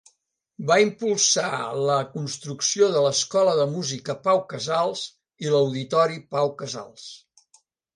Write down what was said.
Va impulsar la construcció de l'Escola de Música Pau Casals i l'Auditori Pau Casals.